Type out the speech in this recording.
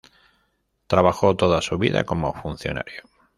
Trabajó toda su vida como funcionario.